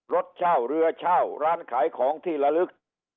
รถเช่าเรือเช่าร้านขายของที่ละลึก